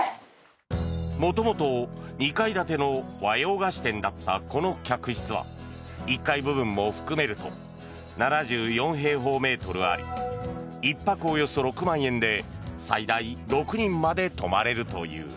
元々、２階建ての和洋菓子店だったこの客室は１階部分も含めると７４平方メートルあり１泊およそ６万円で最大６人まで泊まれるという。